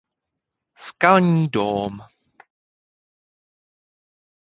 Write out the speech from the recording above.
Skalní dóm.